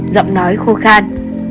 bảy giọng nói khô khan